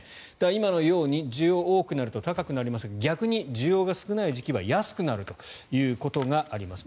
今のように需要が多くなると高くなりますが逆に需要が少ない時期は安くなるということがあります。